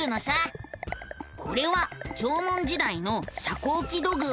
これは縄文時代の遮光器土偶。